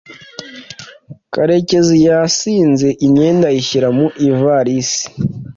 karekezi yazinze imyenda ayishyira mu ivarisi